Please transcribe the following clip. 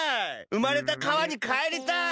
うまれたかわにかえりたい。